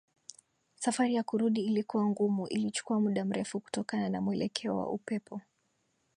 Safari ya kurudi ilikuwa ngumu ilichukua muda mrefu kutokana na mwelekeo wa upepo